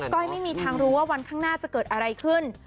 ้อยไม่มีทางรู้ว่าวันข้างหน้าจะเกิดอะไรขึ้น